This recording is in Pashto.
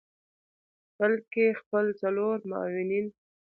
بلکه خپل څلور معاونین